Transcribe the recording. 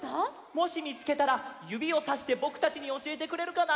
もしみつけたらゆびをさしてぼくたちにおしえてくれるかな？